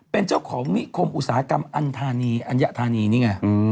เป็นเจ้าของมิคมอุตสาหกรรมอันยะธานีนี่ไง